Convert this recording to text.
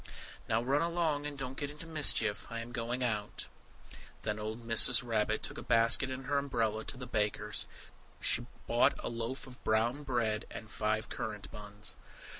"Now run along, and don't get into mischief. I am going out." Then old Mrs. Rabbit took a basket and her umbrella, and went through the wood to the baker's. She bought a loaf of brown bread and five currant buns.